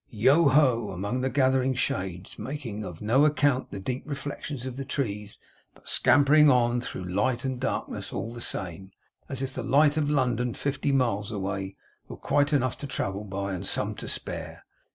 Yoho, among the gathering shades; making of no account the deep reflections of the trees, but scampering on through light and darkness, all the same, as if the light of London fifty miles away, were quite enough to travel by, and some to spare.